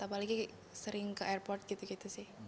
apalagi sering ke airport